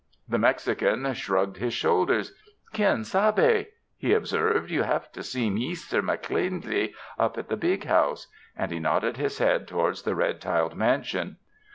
The Mexican shrugged his shoulders. "Quien sabe," he observed, ''you have to see Meester MacC'leenchy up at the big house," and he nodded his head towards the red tiled mansion.